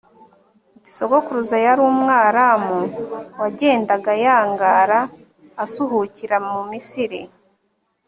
uti; sogokuruza yari umwaramu wagendaga yangara, asuhukira mu misiri;